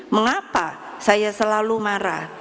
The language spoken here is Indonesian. mengapa saya selalu marah